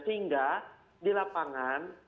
sehingga di lapangan